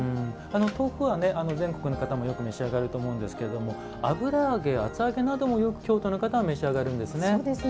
豆腐は全国の方も召し上がると思いますけれども油揚げ、厚揚げなども京都の方はよく召し上がるんですね。